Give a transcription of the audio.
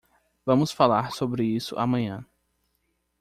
Vamos falar sobre isso amanhã.